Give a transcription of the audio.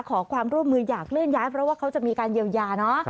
ขอความร่วมมืออยากเลื่อนย้ายเพราะว่าเขาจะมีการเยียวยาเนาะ